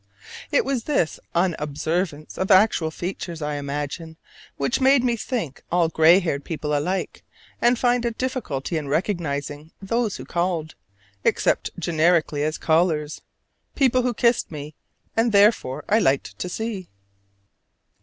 It was this unobservance of actual features, I imagine, which made me think all gray haired people alike, and find a difficulty in recognizing those who called, except generically as callers people who kissed me, and whom therefore I liked to see.